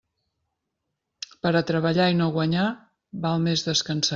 Per a treballar i no guanyar, val més descansar.